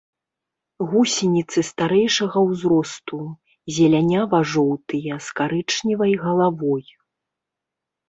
Гусеніцы старэйшага ўзросту зелянява-жоўтыя, з карычневай галавой.